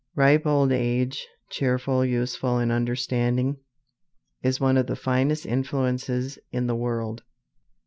Ripe old age, cheerful, useful, and understanding, is one of the finest influences in the world.